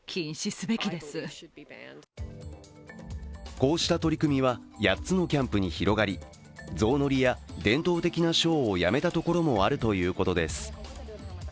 こうした取り組みは８つのキャンプに広がりゾウ乗りや伝統的なショーをやめたところもあるということです。